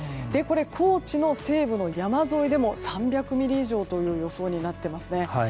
高知の西部の山沿いでも３００ミリ以上の予想になっていますね。